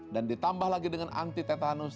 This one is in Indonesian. ditambah lagi dengan anti tetanus